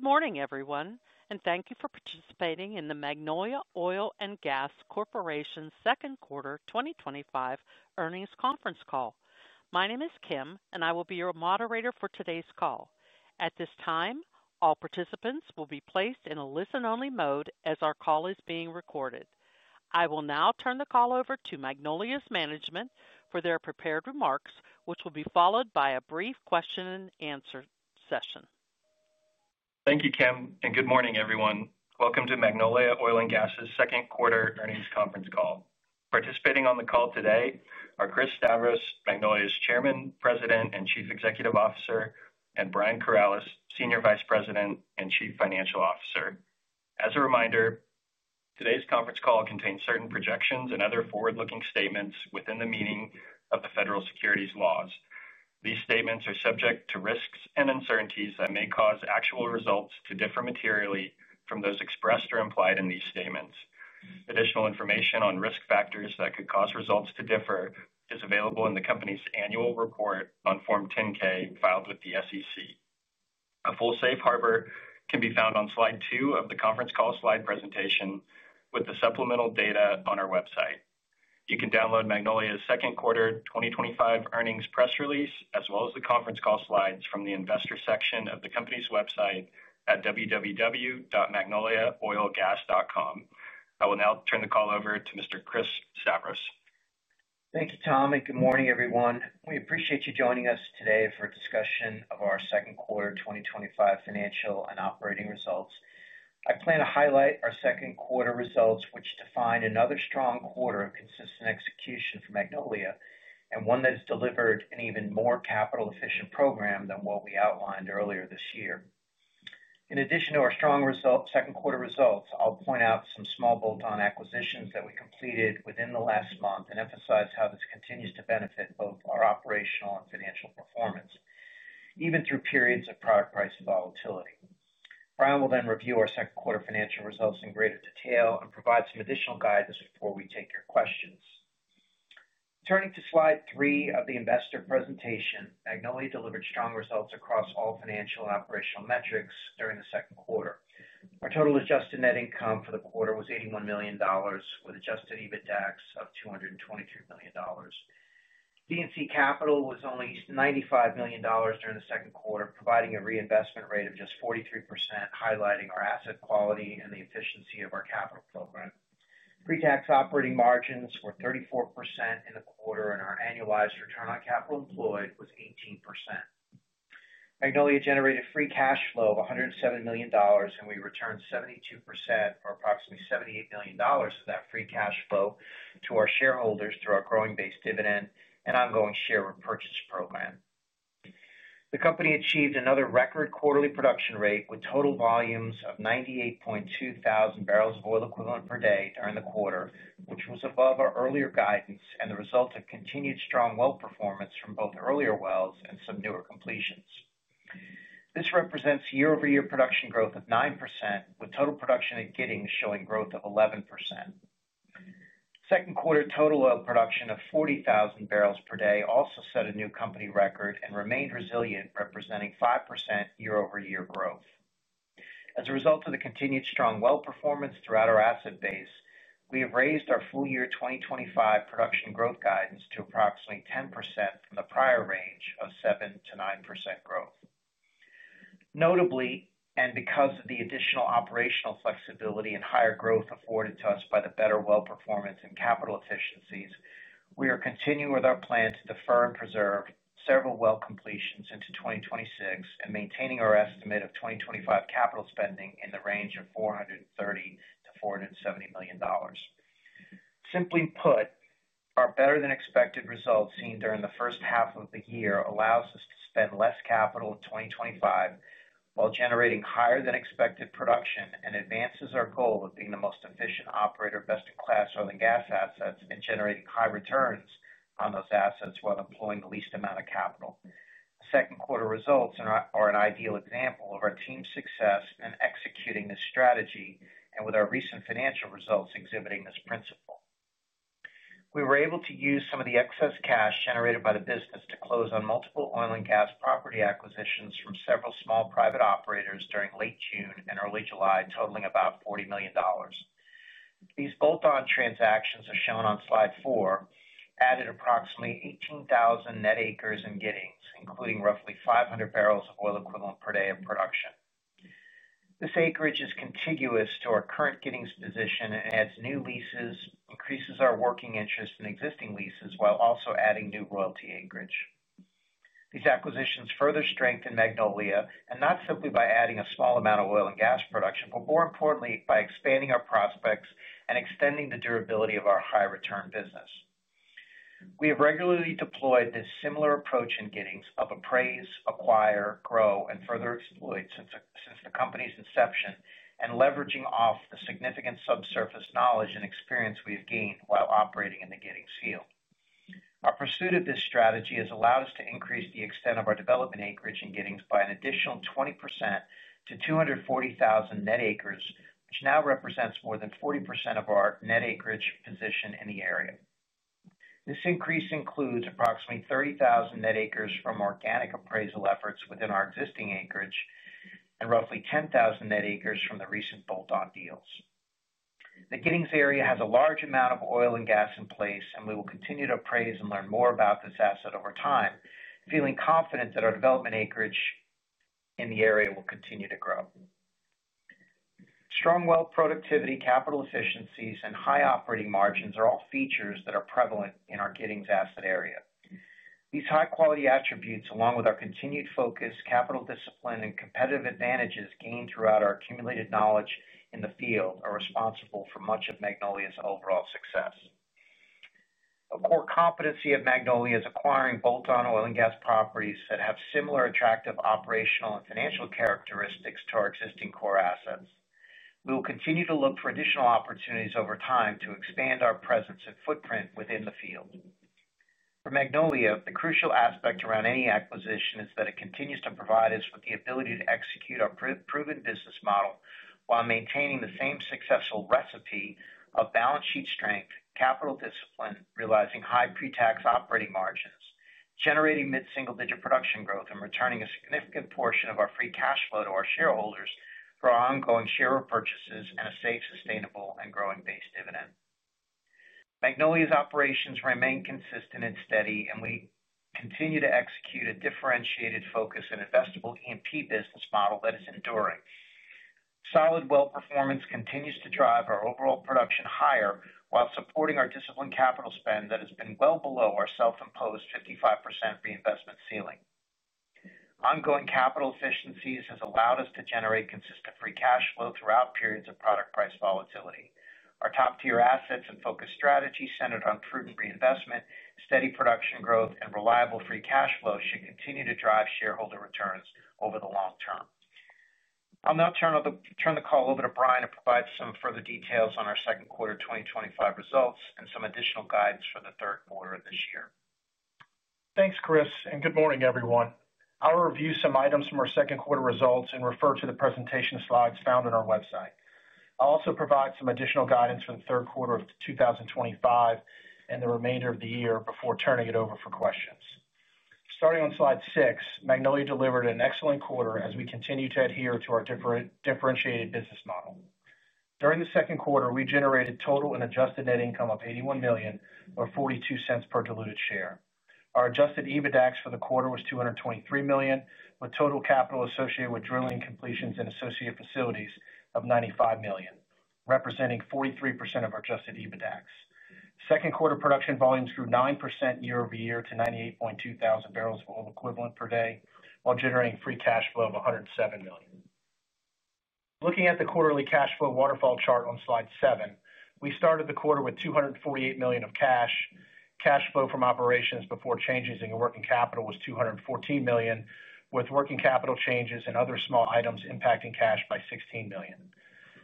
Good morning, everyone, and thank you for participating in the Magnolia Oil & Gas Corporation's second quarter 2025 earnings conference call. My name is Kim, and I will be your moderator for today's call. At this time, all participants will be placed in a listen-only mode as our call is being recorded. I will now turn the call over to Magnolia's management for their prepared remarks, which will be followed by a brief question-and-answer session. Thank you, Kim, and good morning, everyone. Welcome to Magnolia Oil & Gas's second quarter earnings conference call. Participating on the call today are Chris Stavros, Magnolia's Chairman, President, and Chief Executive Officer, and Brian Corales, Senior Vice President and Chief Financial Officer. As a reminder, today's conference call contains certain projections and other forward-looking statements within the meaning of the federal securities laws. These statements are subject to risks and uncertainties that may cause actual results to differ materially from those expressed or implied in these statements. Additional information on risk factors that could cause results to differ is available in the company's annual report on Form 10-K filed with the SEC. A full safe harbor can be found on slide two of the conference call slide presentation with the supplemental data on our website. You can download Magnolia's second quarter 2025 Earnings Press Release, as well as the conference call slides from the investor section of the company's website at www.magnoliaoilgas.com. I will now turn the call over to Mr. Chris Stavros. Thank you, Tom, and good morning, everyone. We appreciate you joining us today for a discussion of our second quarter 2025 financial and operating results. I plan to highlight our second quarter results, which defined another strong quarter of consistent execution for Magnolia and one that has delivered an even more capital-efficient program than what we outlined earlier this year. In addition to our strong second quarter results, I'll point out some small bolt-on acquisitions that we completed within the last month and emphasize how this continues to benefit both our operational and financial performance, even through periods of product price volatility. Brian will then review our second quarter financial results in greater detail and provide some additional guidance before we take your questions. Turning to slide three of the investor presentation, Magnolia delivered strong results across all financial and operational metrics during the second quarter. Our total adjusted net income for the quarter was $81 million, with Adjusted EBITDAX of $223 million. D&C Capital was only $95 million during the second quarter, providing a reinvestment rate of just 43%, highlighting our asset quality and the efficiency of our capital program. Pre-tax operating margins were 34% in the quarter, and our annualized return on capital employed was 18%. Magnolia generated free cash flow of $107 million, and we returned 72%, or approximately $78 million, of that free cash flow to our shareholders through our growing-based dividend and ongoing share repurchase program. The company achieved another record quarterly production rate with total volumes of 98,200 barrels of oil equivalent per day during the quarter, which was above our earlier guidance and the result of continued strong well performance from both earlier wells and some newer completions. This represents year-over-year production growth of 9%, with total production at Giddings showing growth of 11%. Second quarter total oil production of 40,000 barrels of oil equivalent per day also set a new company record and remained resilient, representing 5% year-over-year growth. As a result of the continued strong well performance throughout our asset base, we have raised our full-year 2025 production growth guidance to approximately 10% from the prior range of 7%-9% growth. Notably, and because of the additional operational flexibility and higher growth afforded to us by the better well performance and capital efficiencies, we are continuing with our plan to defer and preserve several well completions into 2026 and maintaining our estimate of 2025 capital spending in the range of $430 million-$470 million. Simply put, our better-than-expected results seen during the first half of the year allow us to spend less capital in 2025 while generating higher-than-expected production and advances our goal of being the most efficient operator of best-in-class oil and gas assets and generating high returns on those assets while employing the least amount of capital. The second quarter results are an ideal example of our team's success in executing this strategy, and with our recent financial results exhibiting this principle. We were able to use some of the excess cash generated by the business to close on multiple oil and gas property acquisitions from several small private operators during late June and early July, totaling about $40 million. These bolt-on transactions are shown on slide four, added approximately 18,000 net acres in Giddings, including roughly 500 barrels of oil equivalent per day of production. This acreage is contiguous to our current Giddings position and adds new leases, increases our working interest in existing leases while also adding new royalty acreage. These acquisitions further strengthen Magnolia and not simply by adding a small amount of oil and gas production, but more importantly, by expanding our prospects and extending the durability of our high-return business. We have regularly deployed this similar approach in Giddings of appraise, acquire, grow, and further exploit since the company's inception and leveraging off the significant subsurface knowledge and experience we have gained while operating in the Giddings field. Our pursuit of this strategy has allowed us to increase the extent of our development acreage in Giddings by an additional 20% to 240,000 net acres, which now represents more than 40% of our net acreage position in the area. This increase includes approximately 30,000 net acres from organic appraisal efforts within our existing acreage and roughly 10,000 net acres from the recent bolt-on deals. The Giddings field has a large amount of oil and gas in place, and we will continue to appraise and learn more about this asset over time, feeling confident that our development acreage in the area will continue to grow. Strong well productivity, capital efficiencies, and high operating income margins are all features that are prevalent in our Giddings asset area. These high-quality attributes, along with our continued focus, capital discipline, and competitive advantages gained throughout our accumulated knowledge in the field, are responsible for much of Magnolia's overall success. A core competency of Magnolia is acquiring bolt-on oil and gas properties that have similar attractive operational and financial characteristics to our existing core assets. We will continue to look for additional opportunities over time to expand our presence and footprint within the field. For Magnolia, the crucial aspect around any acquisition is that it continues to provide us with the ability to execute our proven business model while maintaining the same successful recipe of balance sheet strength, capital discipline, realizing high pre-tax operating income margins, generating mid-single-digit production growth, and returning a significant portion of our free cash flow to our shareholders for our ongoing share repurchases and a safe, sustainable, and growing base dividend. Magnolia's operations remain consistent and steady, and we continue to execute a differentiated focus and investable E&P business model that is enduring. Solid well performance continues to drive our overall production higher while supporting our disciplined capital spend that has been well below our self-imposed 55% reinvestment ceiling. Ongoing capital efficiencies have allowed us to generate consistent free cash flow throughout periods of product price volatility. Our top-tier assets and focused strategy centered on prudent reinvestment, steady production growth, and reliable free cash flow should continue to drive shareholder returns over the long term. I'll now turn the call over to Brian to provide some further details on our second quarter 2025 results and some additional guidance for the third quarter of this year. Thanks, Chris, and good morning, everyone. I'll review some items from our second quarter results and refer to the presentation slides found on our website. I'll also provide some additional guidance for the third quarter of 2025 and the remainder of the year before turning it over for questions. Starting on slide six, Magnolia delivered an excellent quarter as we continue to adhere to our differentiated business model. During the second quarter, we generated total and adjusted net income of $81 million, or $0.42 per diluted share. Our Adjusted EBITDAX for the quarter was $223 million, with total capital associated with drilling, completions, and associated facilities of $95 million, representing 43% of our Adjusted EBITDAX. Second quarter production volumes grew 9% year-over-year to 98.2 thousand barrels of oil equivalent per day, while generating free cash flow of $107 million. Looking at the quarterly cash flow waterfall chart on slide seven, we started the quarter with $248 million of cash. Cash flow from operations before changes in working capital was $214 million, with working capital changes and other small items impacting cash by $16 million.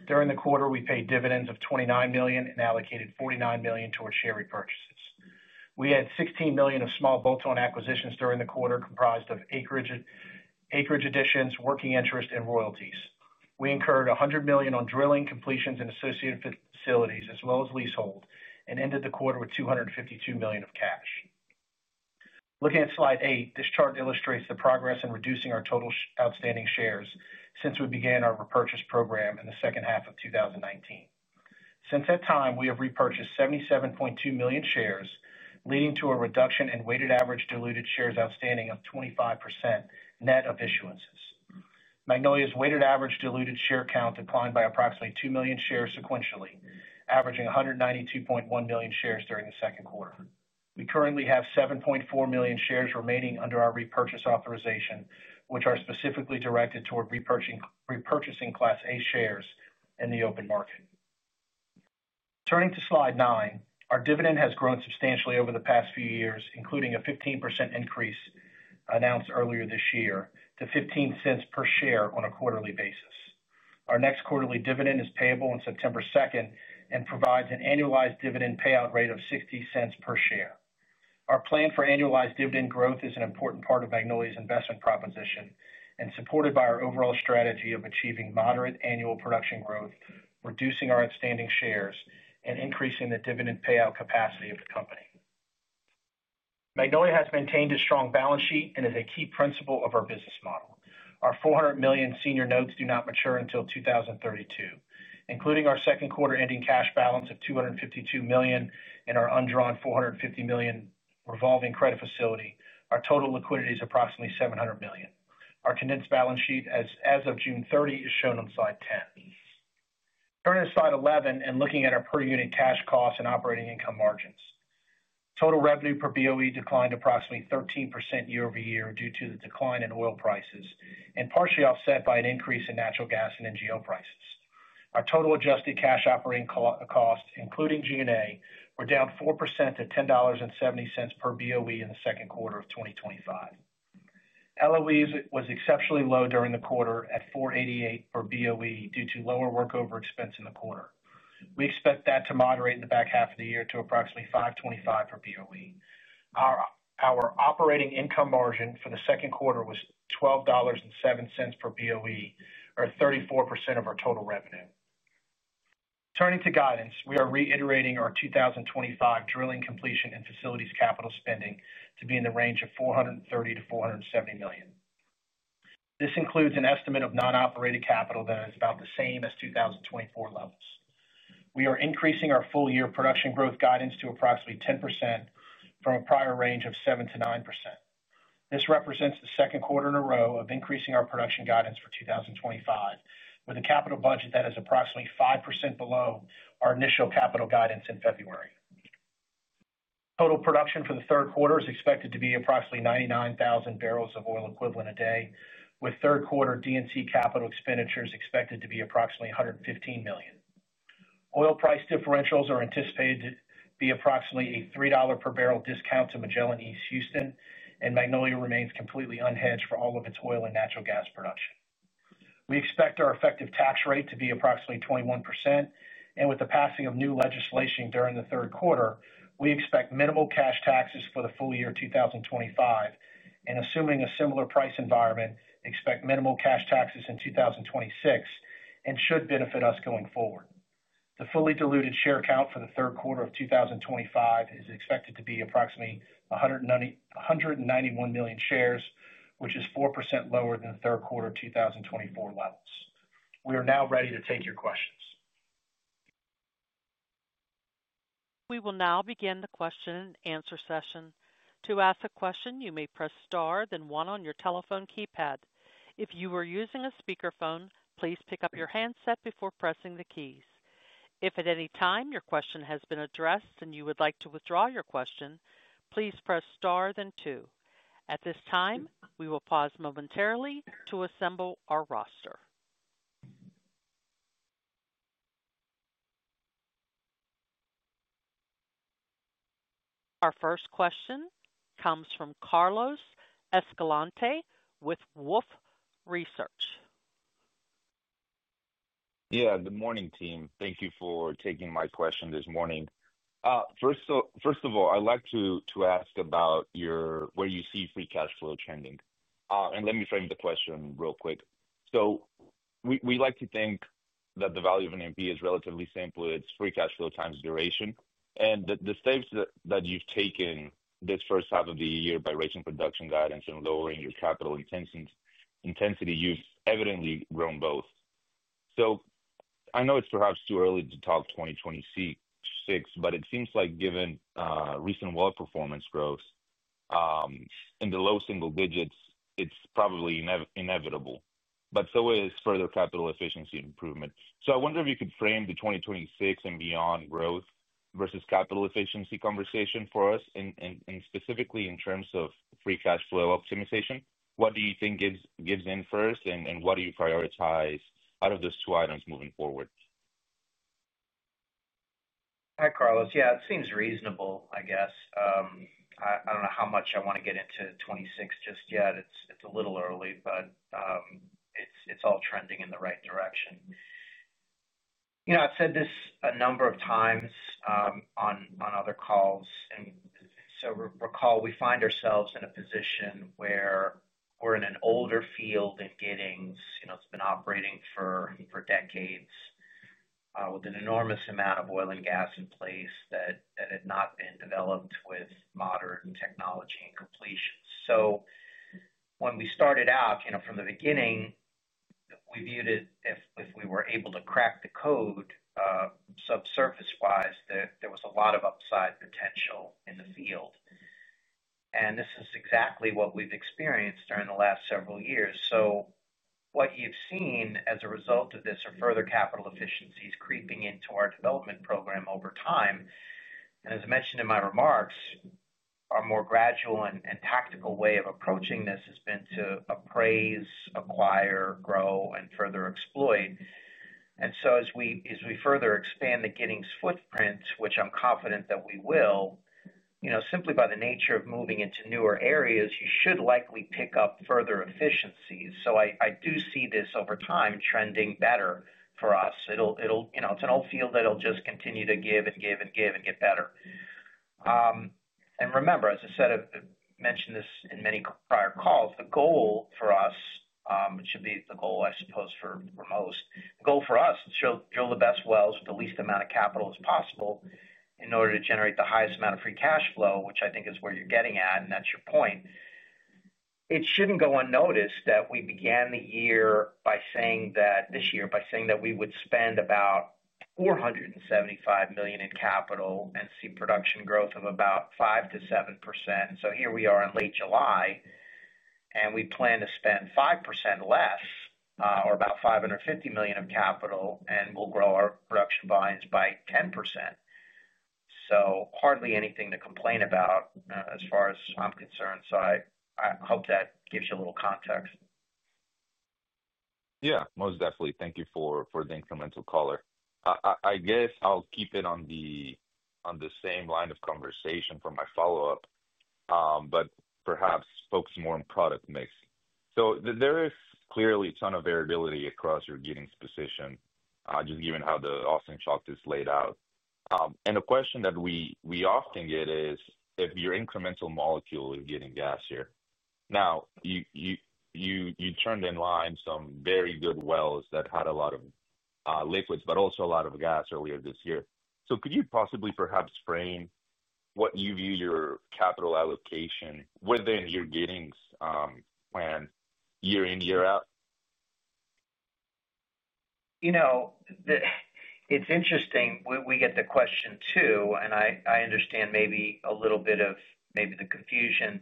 During the quarter, we paid dividends of $29 million and allocated $49 million towards share repurchases. We had $16 million of small bolt-on acquisitions during the quarter, comprised of acreage additions, working interest, and royalties. We incurred $100 million on drilling, completions, and associated facilities, as well as leasehold, and ended the quarter with $252 million of cash. Looking at slide eight, this chart illustrates the progress in reducing our total outstanding shares since we began our repurchase program in the second half of 2019. Since that time, we have repurchased 77.2 million shares, leading to a reduction in weighted-average diluted shares outstanding of 25% net of issuances. Magnolia's weighted average diluted share count declined by approximately 2 million shares sequentially, averaging 192.1 million shares during the second quarter. We currently have 7.4 million shares remaining under our repurchase authorization, which are specifically directed toward repurchasing Class A shares in the open market. Turning to slide nine, our dividend has grown substantially over the past few years, including a 15% increase announced earlier this year to $0.15 per share on a quarterly-basis. Our next quarterly dividend is payable on September 2nd and provides an annualized dividend payout rate of $0.60 per share. Our plan for annualized dividend growth is an important part of Magnolia's investment proposition and supported by our overall strategy of achieving moderate annual production growth, reducing our outstanding shares, and increasing the dividend payout capacity of the company. Magnolia has maintained a strong balance sheet and is a key principle of our business model. Our $400 million senior notes do not mature until 2032. Including our second quarter ending cash balance of $252 million and our undrawn $450 million revolver, our total liquidity is approximately $700 million. Our condensed balance sheet as of June 30 is shown on slide 10. Turning to slide 11 and looking at our per unit cash cost and operating income margins, total revenue per BOE declined approximately 13% year-over-year due to the decline in oil prices and partially offset by an increase in natural gas and NGL prices. Our total adjusted cash operating cost, including G&A, were down 4% to $10.70 per BOE in the second quarter of 2025. LOE was exceptionally low during the quarter at $4.88 per BOE due to lower workover expense in the quarter. We expect that to moderate in the back half of the year to approximately $5.25 per BOE. Our operating income margin for the second quarter was $12.07 per BOE, or 34% of our total revenue. Turning to guidance, we are reiterating our 2025 drilling, completion, and facilities capital spending to be in the range of $430 million-$470 million. This includes an estimate of non-operated capital that is about the same as 2024 levels. We are increasing our full-year production growth guidance to approximately 10% from a prior range of 7%-9%. This represents the second quarter in a row of increasing our production guidance for 2025, with a capital budget that is approximately 5% below our initial capital guidance in February. Total production for the third quarter is expected to be approximately 99,000 barrels of oil equivalent per day, with third-quarter D&C capital expenditures expected to be approximately $115 million. Oil price differentials are anticipated to be approximately a $3 per barrel discount to Magellan East Houston, and Magnolia remains completely unhedged for all of its oil and natural gas production. We expect our effective tax rate to be approximately 21%, and with the passing of new legislation during the third quarter, we expect minimal cash taxes for the full year 2025. Assuming a similar price environment, we expect minimal cash taxes in 2026, which should benefit us going forward. The fully diluted share count for the third quarter of 2025 is expected to be approximately 191 million shares, which is 4% lower than the third quarter of 2024 levels. We are now ready to take your questions. We will now begin the question and answer session. To ask a question, you may press star, then one on your telephone keypad. If you are using a speakerphone, please pick up your handset before pressing the keys. If at any time your question has been addressed and you would like to withdraw your question, please press star, then two. At this time, we will pause momentarily to assemble our roster. Our first question comes from Carlos Escalante with Wolfe Research. Good morning, team. Thank you for taking my question this morning. First of all, I'd like to ask about where you see free cash flow trending. Let me frame the question real quick. We like to think that the value of an E&P is relatively simple. It's free cash flow times duration. The steps that you've taken this first half of the year by raising production guidance and lowering your capital intensity, you've evidently grown both. I know it's perhaps too early to talk 2026, but it seems like, given recent well performance growth in the low single digits, it's probably inevitable. Further capital efficiency improvement is also likely. I wonder if you could frame the 2026 and beyond growth versus capital efficiency conversation for us, specifically in terms of free cash flow optimization. What do you think gives in first, and what do you prioritize out of those two items moving forward? Hi, Carlos. Yeah, it seems reasonable, I guess. I don't know how much I want to get into 2026 just yet. It's a little early, but it's all trending in the right direction. I've said this a number of times on other calls, and recall we find ourselves in a position where we're in an older field in Giddings. It's been operating for decades with an enormous amount of oil and gas in place that had not been developed with modern technology and completions. When we started out, from the beginning, we viewed it if we were able to crack the code, subsurface-wise, that there was a lot of upside potential in the field. This is exactly what we've experienced during the last several years. What you've seen as a result of this are further capital efficiencies creeping into our development program over time. As I mentioned in my remarks, our more gradual and tactical way of approaching this has been to appraise, acquire, grow, and further exploit. As we further expand the Giddings footprint, which I'm confident that we will, simply by the nature of moving into newer areas, you should likely pick up further efficiencies. I do see this over time trending better for us. It's an old field that'll just continue to give and give and give and get better. Remember, as I said, I mentioned this in many prior calls, the goal for us, which should be the goal, I suppose, for most, the goal for us is to drill the best wells with the least amount of capital as possible in order to generate the highest amount of free cash flow, which I think is where you're getting at, and that's your point. It shouldn't go unnoticed that we began the year by saying that this year we would spend about $475 million in capital and see production growth of about 5%-7%. Here we are in late July, and we plan to spend 5% less, or about $550 million of capital, and we'll grow our production volumes by 10%. Hardly anything to complain about as far as I'm concerned. I hope that gives you a little context. Yeah, most definitely. Thank you for the incremental color. I guess I'll keep it on the same line of conversation for my follow-up, perhaps focus more on product mix. There is clearly a ton of variability across your Giddings position, just given how the Austin Chalk is laid out. A question that we often get is if your incremental molecule is getting gasier. You turned in line some very good wells that had a lot of liquids, but also a lot of gas earlier this year. Could you possibly perhaps frame what you view your capital allocation within your Giddings plan year in, year out? It's interesting. We get the question too, and I understand maybe a little bit of the confusion.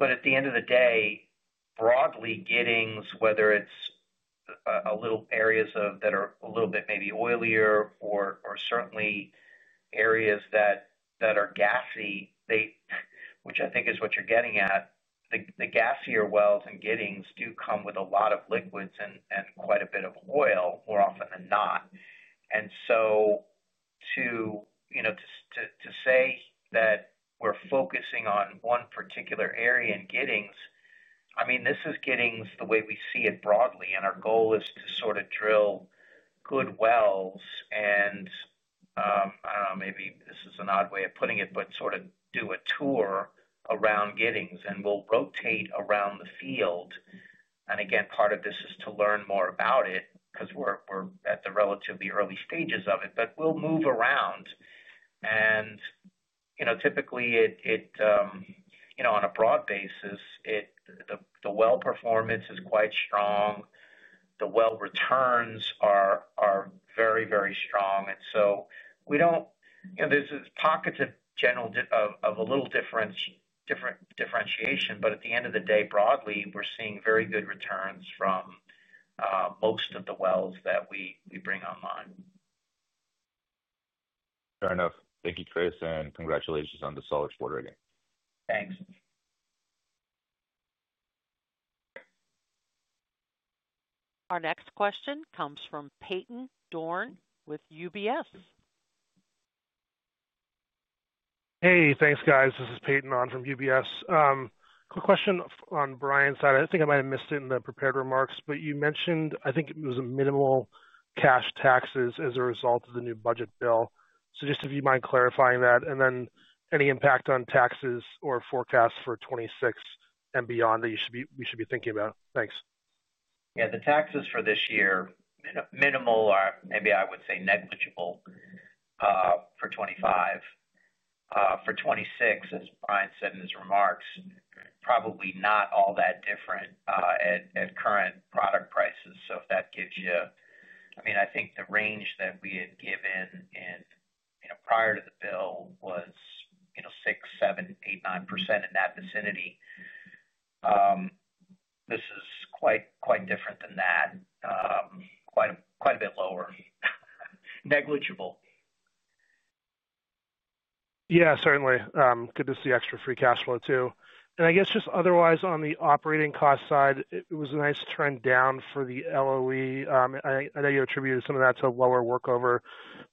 At the end of the day, broadly, Giddings, whether it's areas that are a little bit oilier or certainly areas that are gassy, which I think is what you're getting at, the gassier wells in Giddings do come with a lot of liquids and quite a bit of oil more often than not. To say that we're focusing on one particular area in Giddings, this is Giddings the way we see it broadly. Our goal is to sort of drill good wells and, maybe this is an odd way of putting it, but sort of do a tour around Giddings. We'll rotate around the field. Part of this is to learn more about it because we're at the relatively early stages of it, but we'll move around. Typically, on a broad basis, the well performance is quite strong. The well returns are very, very strong. We don't, there's pockets of a little differentiation, but at the end of the day, broadly, we're seeing very good returns from most of the wells that we bring online. Fair enough. Thank you, Chris, and congratulations on the solid quarter again. Thanks. Our next question comes from Peyton Dorne with UBS. Hey, thanks, guys. This is Peyton Dorne from UBS. Quick question on Brian's side. I think I might have missed it in the prepared remarks, but you mentioned, I think it was minimal cash taxes as a result of the new budget bill. If you mind clarifying that, and any impact on taxes or forecasts for 2026 and beyond that we should be thinking about? Thanks. Yeah, the taxes for this year, you know, minimal or maybe I would say negligible for 2025. For 2026, as Brian said in his remarks, probably not all that different at current product prices. If that gives you, I mean, I think the range that we had given in, you know, prior to the bill was, you know, 6%, 7%, 8%, 9% in that vicinity. This is quite, quite different than that. Quite a bit lower. Negligible. Yeah, certainly. Good to see extra free cash flow too. I guess just otherwise on the operating cost side, it was a nice trend down for the LOE. I know you attributed some of that to lower workover,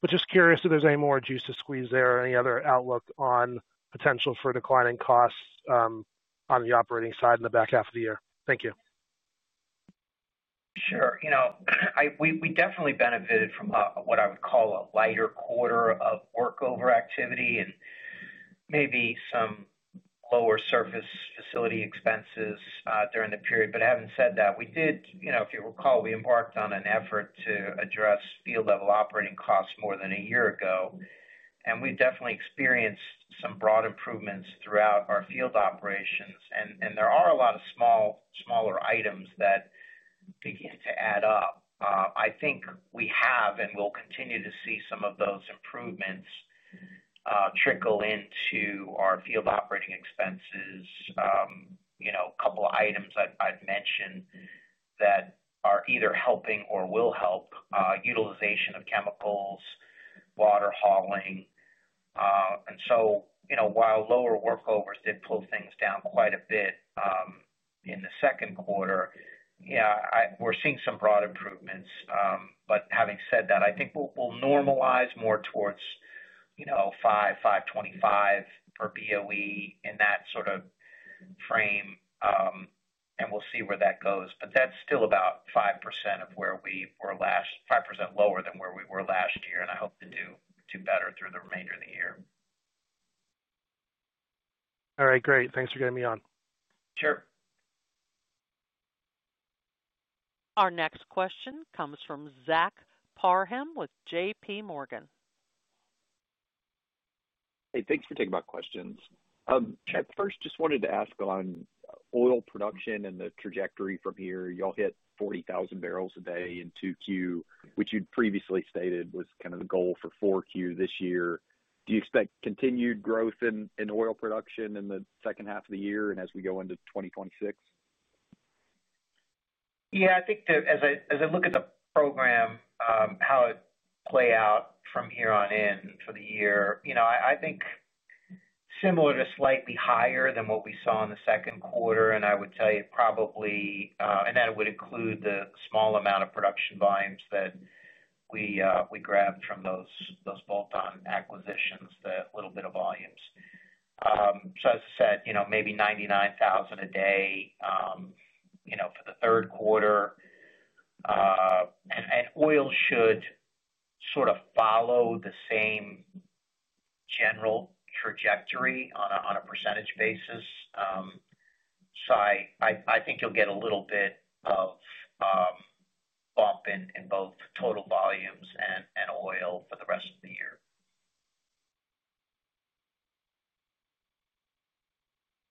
but just curious if there's any more juice to squeeze there or any other outlook on potential for declining costs on the operating side in the back half of the year. Thank you. Sure. We definitely benefited from what I would call a lighter quarter of workover activity and maybe some lower surface facility expenses during the period. Having said that, if you recall, we embarked on an effort to address field-level operating costs more than a year ago. We've definitely experienced some broad improvements throughout our field operations. There are a lot of small, smaller items that begin to add up. I think we have and will continue to see some of those improvements trickle into our field operating expenses. A couple of items I'd mention that are either helping or will help: utilization of chemicals, water hauling. While lower workovers did pull things down quite a bit in the second quarter, we're seeing some broad improvements. Having said that, I think we'll normalize more towards $5.00, $5.25 per BOE in that sort of frame. We'll see where that goes. That's still about 5% lower than where we were last year. I hope to do better through the remainder of the year. All right, great. Thanks for getting me on. Sure. Our next question comes from Zach Parham with J.P.Morgan. Hey, thanks for taking my questions. I first just wanted to ask on oil production and the trajectory from here. You all hit 40,000 barrels a day in 2Q, which you'd previously stated was kind of the goal for 4Q this year. Do you expect continued growth in oil production in the second half of the year and as we go into 2026? Yeah, I think that as I look at the program, how it plays out from here on in for the year, I think similar to slightly higher than what we saw in the second quarter. I would tell you probably, and that would include the small amount of production volumes that we grabbed from those bolt-on acquisitions, that little bit of volumes. As I said, maybe 99,000 a day for the third quarter. Oil should sort of follow the same general trajectory on a percentage basis. I think you'll get a little bit of bump in both total volumes and oil for the rest of the year.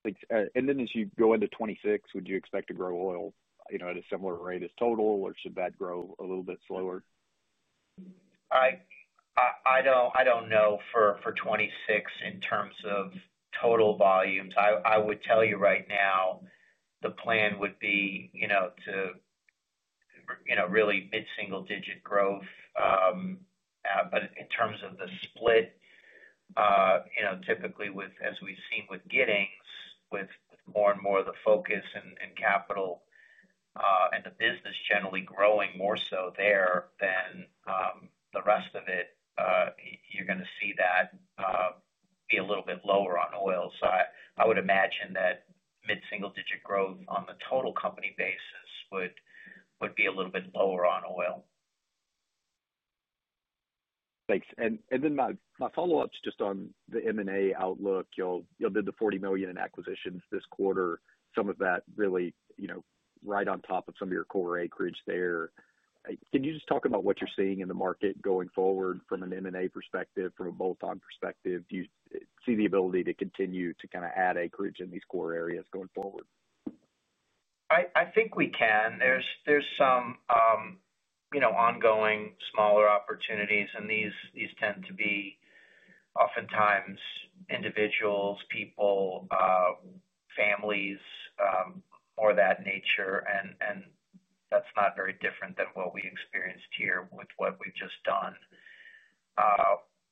As you go into 2026, would you expect to grow oil, you know, at a similar rate as total, or should that grow a little bit slower? I don't know for 2026 in terms of total volumes. I would tell you right now, the plan would be, you know, really mid-single-digit growth. In terms of the split, typically, as we've seen with Giddings, with more and more of the focus and capital and the business generally growing more so there than the rest of it, you're going to see that be a little bit lower on oil. I would imagine that mid-single-digit growth on the total company basis would be a little bit lower on oil. Thanks. My follow-up is just on the M&A outlook. You did the $40 million in acquisitions this quarter. Some of that really, you know, right on top of some of your core acreage there. Can you just talk about what you're seeing in the market going forward from an M&A perspective, from a bolt-on perspective? Do you see the ability to continue to kind of add acreage in these core areas going forward? I think we can. There are some ongoing smaller opportunities, and these tend to be oftentimes individuals, people, families, more of that nature. That's not very different than what we experienced here with what we've just done.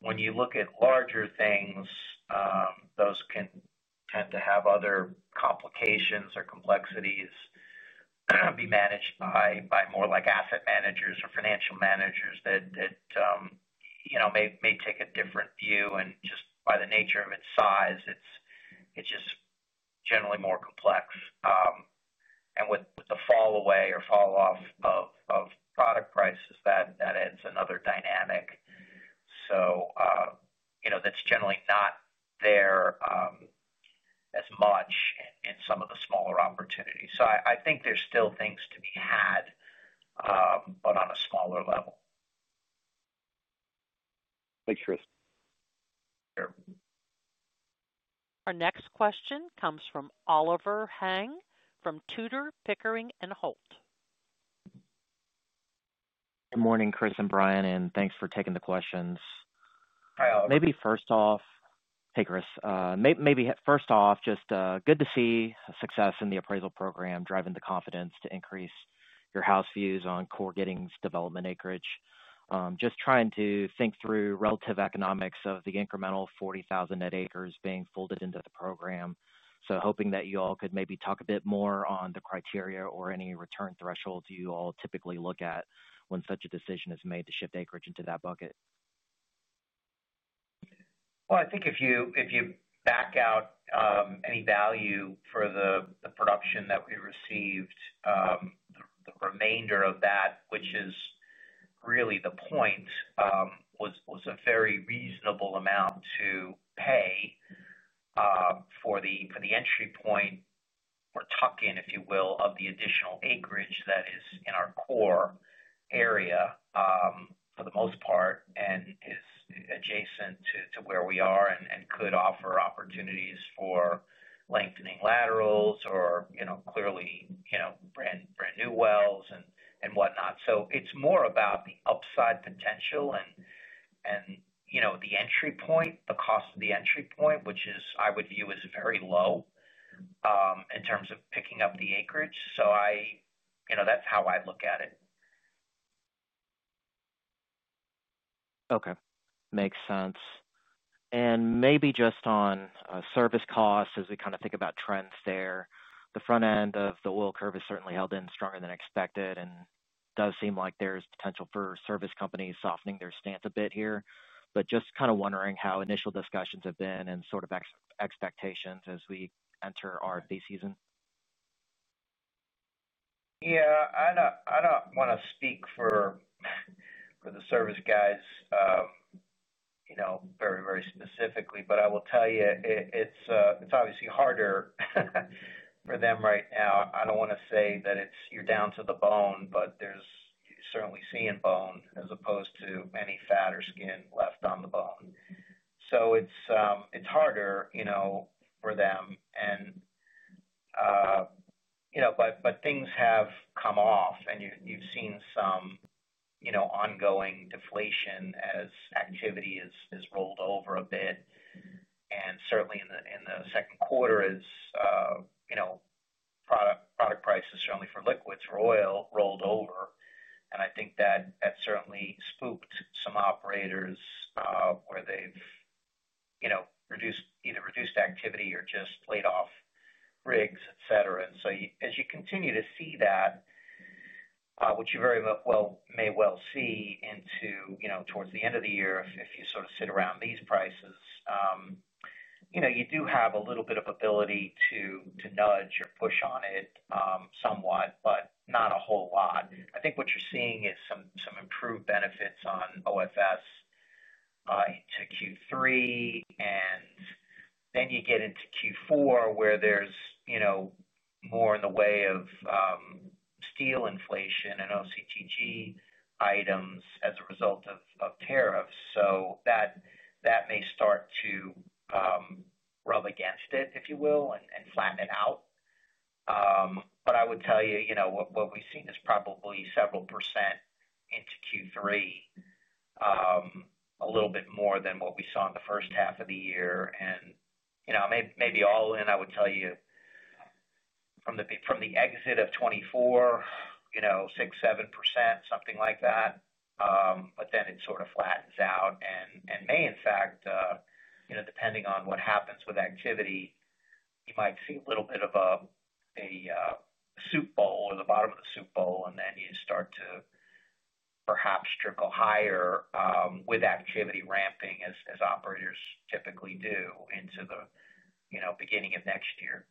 When you look at larger things, those can tend to have other complications or complexities, be managed by more like asset managers or financial managers that may take a different view. Just by the nature of its size, it's generally more complex. With the fall away or fall off of product prices, that adds another dynamic. That's generally not there as much in some of the smaller opportunities. I think there's still things to be had, but on a smaller level. Thanks, Chris. Sure. Our next question comes from Oliver Huang from Tudor, Pickering and Holt. Good morning, Chris and Brian, and thanks for taking the questions. Maybe first off, just good to see a success in the appraisal program driving the confidence to increase your house views on core Giddings development acreage. Just trying to think through relative economics of the incremental 40,000 net acres being folded into the program. Hoping that you all could maybe talk a bit more on the criteria or any return thresholds you all typically look at when such a decision is made to shift acreage into that bucket. I think if you back out any value for the production that we received, the remainder of that, which is really the point, was a very reasonable amount to pay for the entry point or tuck-in, if you will, of the additional acreage that is in our core area for the most part and is adjacent to where we are and could offer opportunities for lengthening laterals or, you know, clearly, brand new wells and whatnot. It's more about the upside potential and the entry point, the cost of the entry point, which I would view as very low in terms of picking up the acreage. That's how I look at it. Okay. Makes sense. Maybe just on service costs as we kind of think about trends there. The front end of the oil curve is certainly held in stronger than expected, and it does seem like there's potential for service companies softening their stance a bit here. Just kind of wondering how initial discussions have been and sort of expectations as we enter our fee season. Yeah, I don't want to speak for the service guys, you know, very, very specifically, but I will tell you, it's obviously harder for them right now. I don't want to say that you're down to the bone, but there's certainly seen bone as opposed to any fat or skin left on the bone. It's harder, you know, for them. Things have come off and you've seen some ongoing deflation as activity has rolled over a bit. Certainly in the second quarter, product prices, certainly for liquids, for oil, rolled over. I think that certainly spooked some operators where they've either reduced activity or just laid off rigs, etc. As you continue to see that, which you very well may see into, you know, towards the end of the year, if you sort of sit around these prices, you do have a little bit of ability to nudge or push on it somewhat, but not a whole lot. I think what you're seeing is some improved benefits on OFS to Q3. Then you get into Q4 where there's more in the way of steel inflation and OCTG items as a result of tariffs. That may start to rub against it, if you will, and flatten it out. I would tell you, you know, what we've seen is probably several percent into Q3, a little bit more than what we saw in the first half of the year. Maybe all in, I would tell you, from the exit of 2024, you know, 6%, 7%, something like that. Then it sort of flattens out and may, in fact, you know, depending on what happens with activity, you might see a little bit of a soup bowl or the bottom of the soup bowl, and then you start to perhaps trickle higher with activity ramping as operators typically do into the beginning of next year.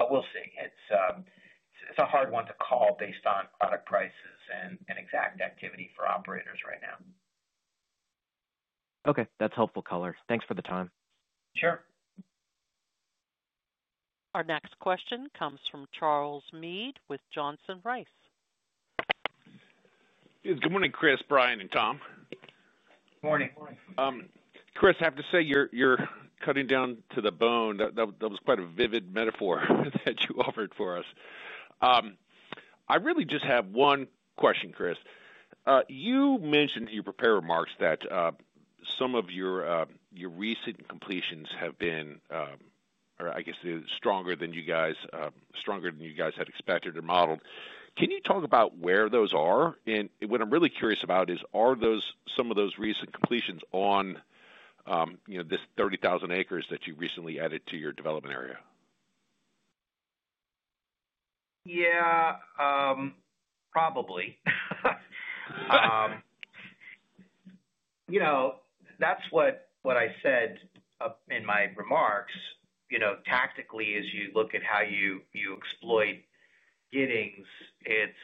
We'll see. It's a hard one to call based on product prices and exact activity for operators right now. Okay, that's helpful, Color. Thanks for the time. Sure. Our next question comes from Charles Meade with Johnson Rice. Good morning, Chris, Brian, and Tom. Morning. Morning. Chris, I have to say you're cutting down to the bone. That was quite a vivid metaphor that you offered for us. I really just have one question, Chris. You mentioned in your prepared remarks that some of your recent completions have been, or I guess, stronger than you guys had expected or modeled. Can you talk about where those are? What I'm really curious about is, are those some of those recent completions on this 30,000 acres that you recently added to your development area? Yeah, probably. You know, that's what I said in my remarks. Tactically, as you look at how you exploit Giddings, it's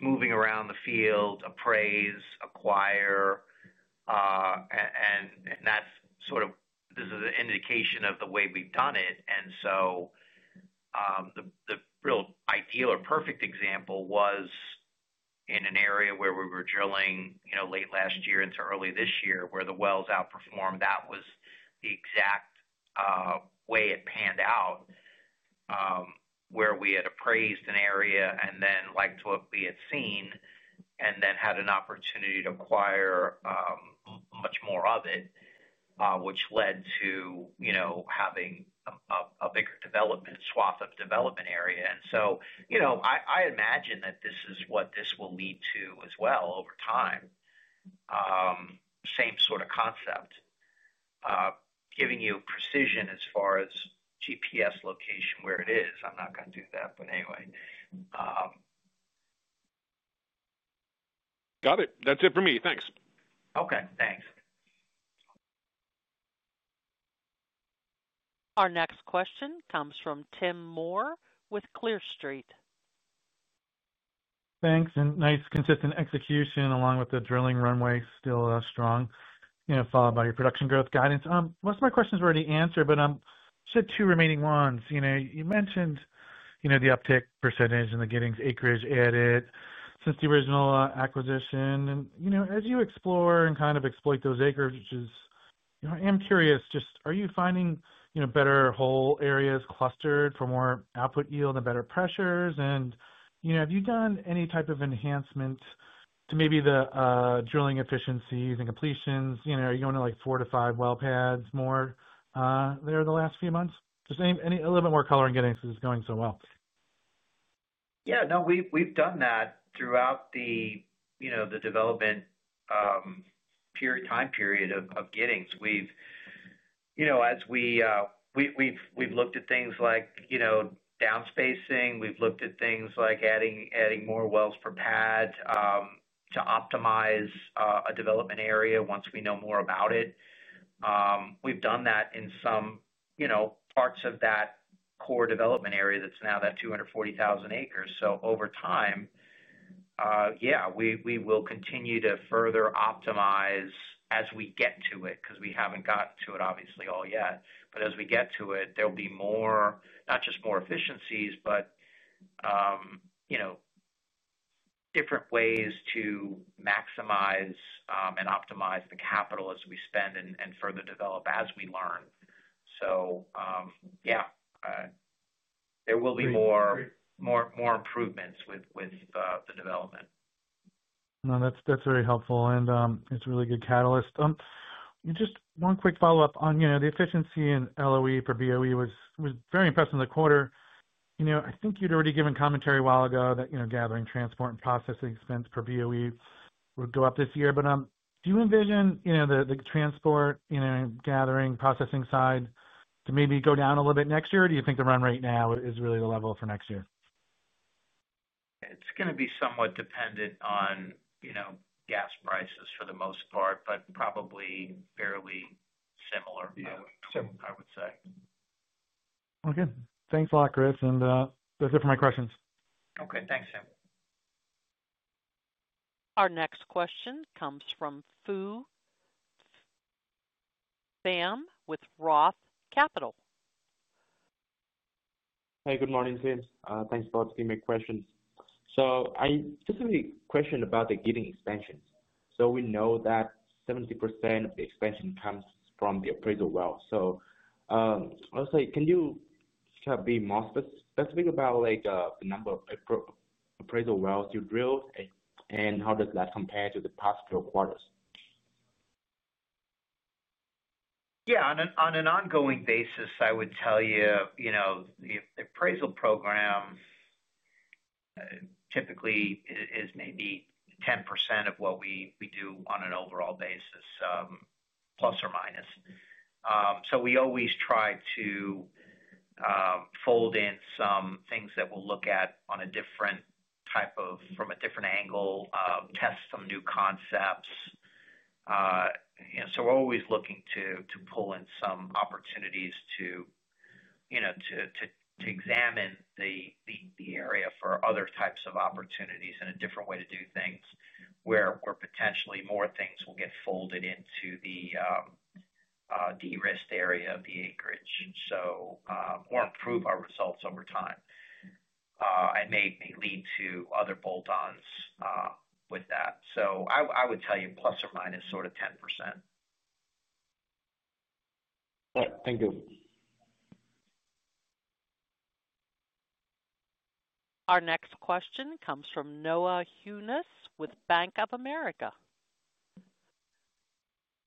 moving around the field, appraise, acquire, and that's sort of this is an indication of the way we've done it. The real ideal or perfect example was in an area where we were drilling late last year into early this year where the wells outperformed. That was the exact way it panned out where we had appraised an area and then liked what we had seen and then had an opportunity to acquire much more of it, which led to having a bigger development swath of development area. I imagine that this is what this will lead to as well over time. Same sort of concept. Giving you precision as far as GPS location where it is, I'm not going to do that, but anyway. Got it. That's it for me. Thanks. Okay. Thanks. Our next question comes from Tim Moore with Clear Street. Thanks. Nice consistent execution along with the drilling runway still strong, followed by your production growth guidance. Most of my questions were already answered, but I have just two remaining ones. You mentioned the uptick percentage and the Giddings acreage added since the original acquisition. As you explore and kind of exploit those acreages, I am curious, are you finding better whole areas clustered for more output yield and better pressures? Have you done any type of enhancement to maybe the drilling efficiencies and completions? Are you going to four to five well pads more there the last few months? Any a little bit more color in Giddings because it's going so well. Yeah, we've done that throughout the development time period of Giddings. As we've looked at things like downspacing, we've looked at things like adding more wells per pad to optimize a development area once we know more about it. We've done that in some parts of that core development area that's now that 240,000 acres. Over time, we will continue to further optimize as we get to it because we haven't got to it, obviously, all yet. As we get to it, there'll be more, not just more efficiencies, but different ways to maximize and optimize the capital as we spend and further develop as we learn. There will be more improvements with the development. That's very helpful. It's a really good catalyst. Just one quick follow-up on the efficiency in LOE for BOE, which was very impressive in the quarter. I think you'd already given commentary a while ago that gathering, transport, and processing expense per BOE would go up this year. Do you envision the transport, gathering, processing side to maybe go down a little bit next year, or do you think the run rate now is really the level for next year? It's going to be somewhat dependent on, you know, gas prices for the most part, but probably fairly similar, I would say. Thanks a lot, Chris. That's it for my questions. Okay, thanks, Tim. Our next question comes from Fu Sam with Roth Capital. Hey, good morning, Tim. Thanks for asking me a question. I just have a question about the Giddings expansions. We know that 70% of the expansion comes from the appraisal wells. I would say, can you kind of be more specific about the number of appraisal wells you drilled and how does that compare to the past few quarters? Yeah, on an ongoing basis, I would tell you, you know, the appraisal program typically is maybe 10% of what we do on an overall basis, plus or minus. We always try to fold in some things that we'll look at from a different angle, test some new concepts. We're always looking to pull in some opportunities to examine the area for other types of opportunities and a different way to do things where potentially more things will get folded into the de-risked area of the acreage or improve our results over time. It may lead to other bolt-ons with that. I would tell you, plus or minus, sort of 10%. All right. Thank you. Our next question comes from Noah Hungness with Bank of America.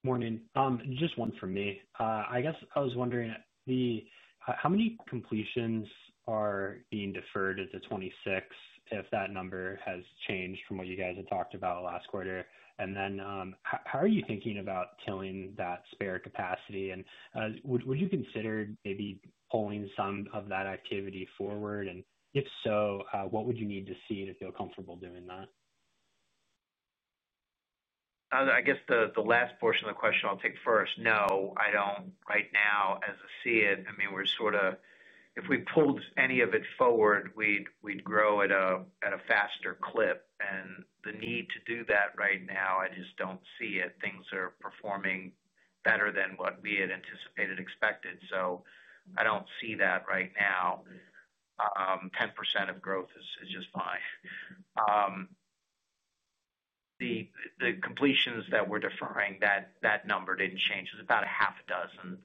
Morning. Just one from me. I guess I was wondering, how many completions are being deferred into 2026, if that number has changed from what you guys had talked about last quarter? How are you thinking about filling that spare capacity? Would you consider maybe pulling some of that activity forward? If so, what would you need to see to feel comfortable doing that? I guess the last portion of the question I'll take first. No, I don't right now as I see it. I mean, we're sort of, if we pulled any of it forward, we'd grow at a faster clip. The need to do that right now, I just don't see it. Things are performing better than what we had anticipated and expected. I don't see that right now. 10% of growth is just fine. The completions that we're deferring, that number didn't change. It's about half a dozen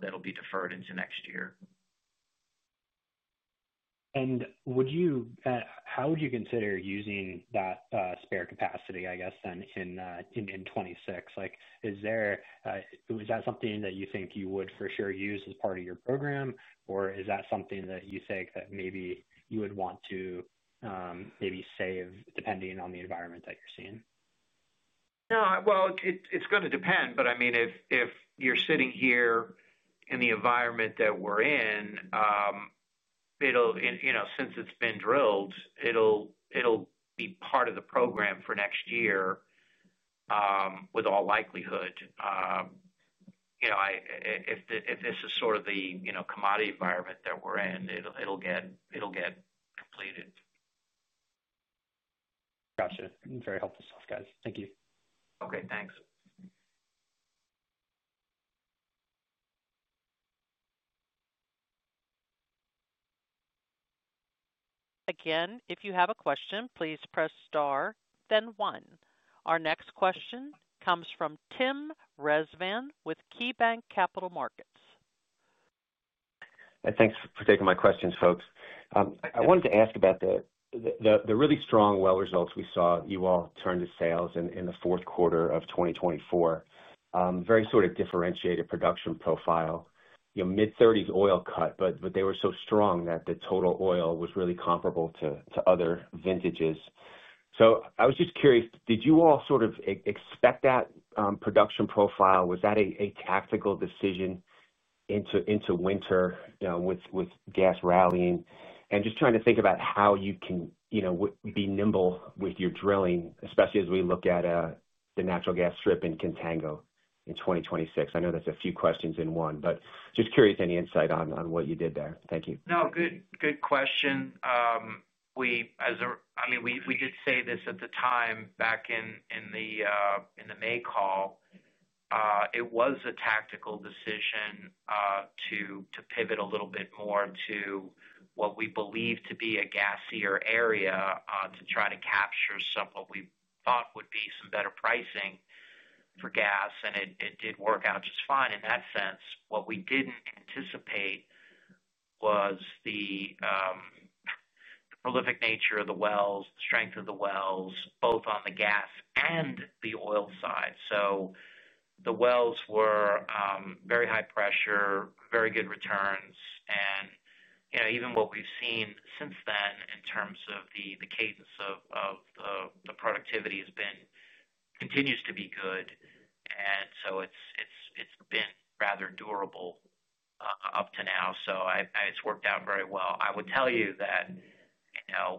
that'll be deferred into next year. How would you consider using that spare capacity, I guess, then in 2026? Is that something that you think you would for sure use as part of your program, or is that something that you think that maybe you would want to maybe save depending on the environment that you're seeing? No, it's going to depend. If you're sitting here in the environment that we're in, since it's been drilled, it'll be part of the program for next year with all likelihood. If this is sort of the commodity environment that we're in, it'll get completed. Gotcha. Very helpful stuff, guys. Thank you. Okay. Thanks. Again, if you have a question, please press star, then one. Our next question comes from Tim Rezvan with KeyBanc Capital Markets. Thanks for taking my questions, folks. I wanted to ask about the really strong well results we saw you all turn to sales in the fourth quarter of 2024. Very sort of differentiated production profile. You know, mid-30s oil cut, but they were so strong that the total oil was really comparable to other vintages. I was just curious, did you all sort of expect that production profile? Was that a tactical decision into winter with gas rallying? I'm just trying to think about how you can be nimble with your drilling, especially as we look at the natural gas strip in Contango in 2026. I know that's a few questions in one, but just curious any insight on what you did there. Thank you. No, good question. I mean, we did say this at the time back in the May call. It was a tactical decision to pivot a little bit more to what we believe to be a gassier area to try to capture what we thought would be some better pricing for gas. It did work out just fine in that sense. What we didn't anticipate was the prolific nature of the wells, the strength of the wells, both on the gas and the oil side. The wells were very high pressure, very good returns. Even what we've seen since then in terms of the cadence of the productivity continues to be good. It's been rather durable up to now. It's worked out very well. I would tell you that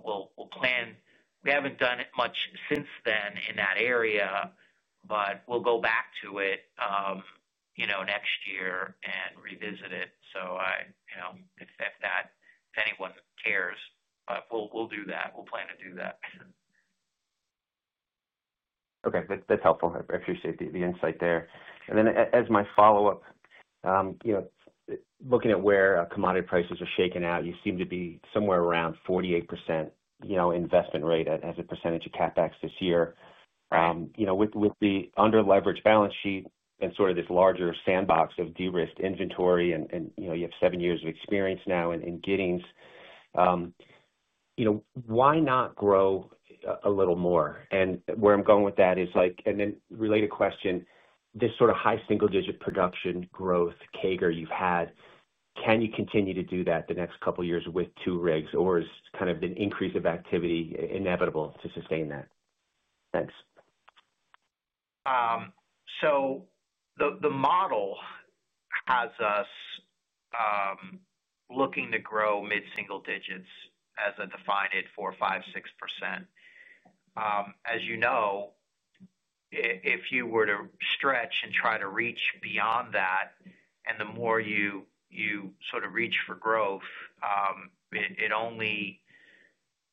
we'll plan. We haven't done it much since then in that area, but we'll go back to it next year and revisit it. If anyone cares, we'll do that. We'll plan to do that. Okay. That's helpful. I appreciate the insight there. As my follow-up, looking at where commodity prices are shaking out, you seem to be somewhere around 48% investment rate as a percentage of CapEx this year. With the under-leveraged balance sheet and sort of this larger sandbox of de-risked inventory, and you have seven years of experience now in Giddings, why not grow a little more? Where I'm going with that is, and then related question, this sort of high single-digit production growth CAGR you've had, can you continue to do that the next couple of years with two rigs, or is kind of an increase of activity inevitable to sustain that? Thanks. The model has us looking to grow mid-single digits as defined it for 4.5%-6%. As you know, if you were to stretch and try to reach beyond that, and the more you sort of reach for growth, it only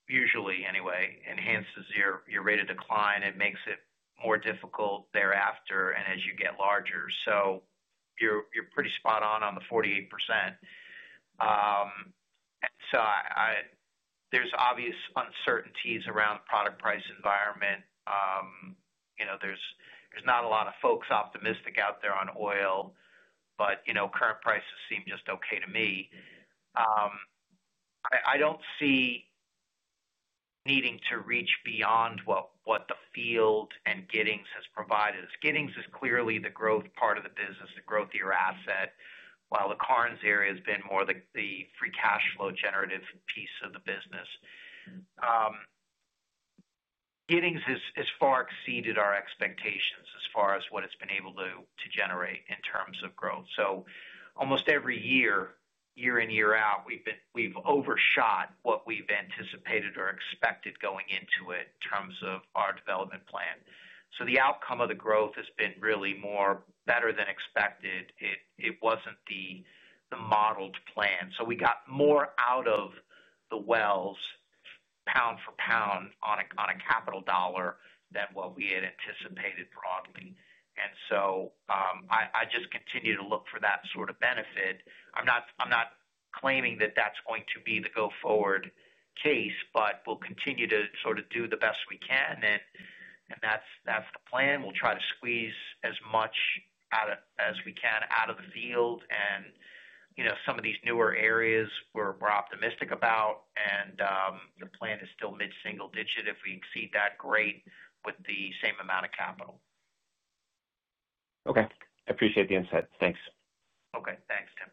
usually, anyway, enhances your rate of decline. It makes it more difficult thereafter as you get larger. You're pretty spot on on the 48%. There are obvious uncertainties around the product price environment. There's not a lot of folks optimistic out there on oil, but current prices seem just okay to me. I don't see needing to reach beyond what the field and Giddings has provided. Giddings is clearly the growth part of the business, the growth of your asset, while the Karnes area has been more the free cash flow generative piece of the business. Giddings has far exceeded our expectations as far as what it's been able to generate in terms of growth. Almost every year, year in, year out, we've overshot what we've anticipated or expected going into it in terms of our development plan. The outcome of the growth has been really more better than expected. It wasn't the modeled plan. We got more out of the wells, pound for pound on a capital dollar, than what we had anticipated broadly. I just continue to look for that sort of benefit. I'm not claiming that that's going to be the go-forward case, but we'll continue to sort of do the best we can. That's the plan. We'll try to squeeze as much as we can out of the field. Some of these newer areas we're optimistic about. The plan is still mid-single digit. If we exceed that, great, with the same amount of capital. Okay. I appreciate the insight. Thanks. Okay. Thanks, Tim.